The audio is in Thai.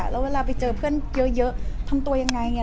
แล้วเวลาไปเจอเพื่อนเยอะทำตัวยังไง